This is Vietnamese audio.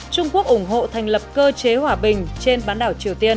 trung quốc ủng hộ thành lập cơ chế hòa bình trên bán đảo triều tiên